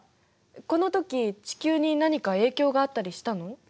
このとき地球に何か影響があったりしたの？